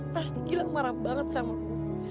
pasti gilang marah banget sama gue